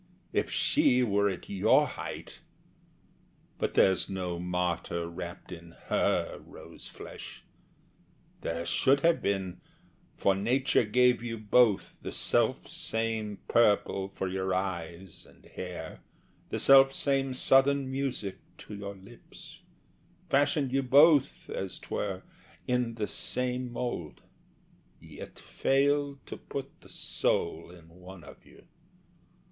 If she were at your height! But there's no martyr wrapt in HER rose flesh. There should have been; for Nature gave you both The self same purple for your eyes and hair, The self same Southern music to your lips, Fashioned you both, as 'twere, in the same mould, Yet failed to put the soul in one of you!